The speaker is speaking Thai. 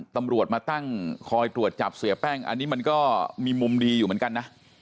ตำรวจมาตั้งคอยตรวจจับเสียแป้งอันนี้มันก็มีมุมดีอยู่เหมือนกันนะ